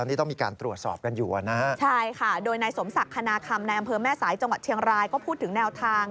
น้องอดุนก็โดนต่าง